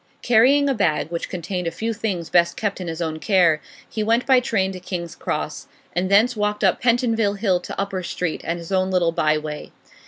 Carrying a bag which contained a few things best kept in his own care, he went by train to King's Cross, and thence walked up Pentonville Hill to Upper Street and his own little by way.